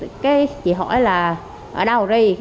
cái chị hỏi là ở đâu đi